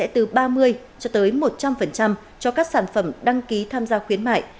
từ ba mươi cho tới một trăm linh cho các sản phẩm đăng ký tham gia khuyến mại